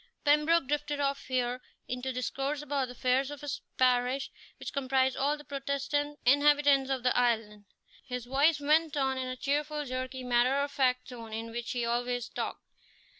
Pembroke drifted off here into discourse about the affairs of his parish, which comprised all the Protestant inhabitants of the island. His voice went on in the cheerful, jerky, matter of fact tone in which he always talked.